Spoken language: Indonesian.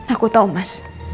aku tau mas